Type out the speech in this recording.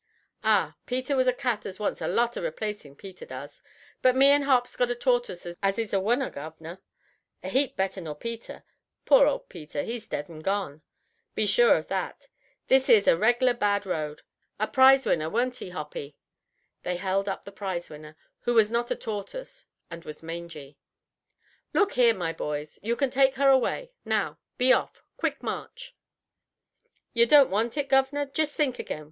Ah! Peter was a cat as wants a lot of replacin', Peter does. But me and Hop's got a tortus as is a wunner, guv'nor. A heap better nor Peter. Poor old Peter! he's dead and gone. Be sure of that. This 'ere's a reg'lar bad road. A prize winner, warn't 'e, Hoppy?" They held up the prize winner, who was not a tortoise, and was mangy. "Look here, my boys, you can take her away. Now, be off. Quick march!" "Yer don't want it, guv'nor. Jest think agin.